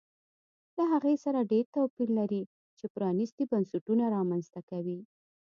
له هغې سره ډېر توپیر لري چې پرانیستي بنسټونه رامنځته کوي